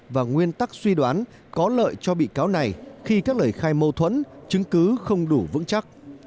và nguyên tắc suy đoán có lợi cho bị cáo này khi các lời khai mâu thuẫn chứng cứ không đủ vững chắc